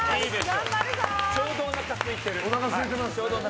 ちょうどおなかすいてる。